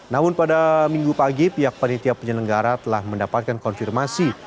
namun pada minggu pagi pihak panitia penyelenggara telah mendapatkan konfirmasi